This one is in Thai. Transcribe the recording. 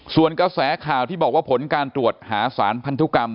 ส่วนกระแสข่าวที่บอกว่าผลการตรวจหาสารพันธุกรรม